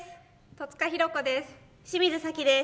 戸塚寛子です。